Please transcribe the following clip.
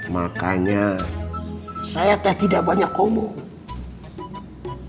makanya saya teh tidak banyak ngomong